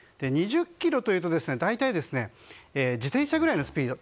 ２０キロというと自転車ぐらいのスピード。